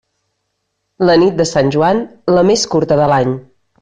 La nit de Sant Joan, la més curta de l'any.